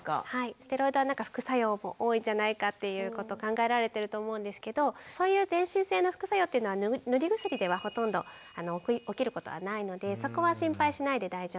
ステロイドは副作用も多いんじゃないかということ考えられてると思うんですけどそういう全身性の副作用というのは塗り薬ではほとんど起きることはないのでそこは心配しないで大丈夫です。